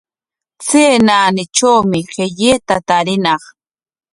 Chay naanitrawshi qillayta tariñaq.